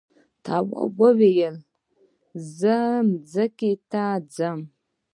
تواب وویل زه ځمکې ته ځم.